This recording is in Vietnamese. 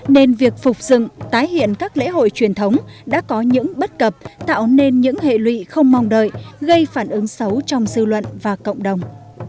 nên việc phục dựng tái hiện các lễ hội truyền thống đã có những bất cập tạo nên những hệ lụy không mong đợi gây phản ứng xấu trong dư luận và cộng đồng